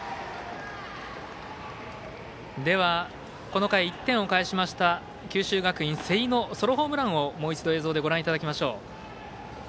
この回、１点を返しました九州学院、瀬井のソロホームランをもう一度映像でご覧いただきましょう。